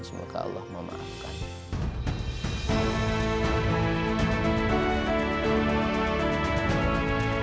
semoga allah memaafkan